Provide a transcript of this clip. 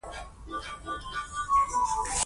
ایا دا درغلي نه ده؟ ما ورته وویل: غلي شئ.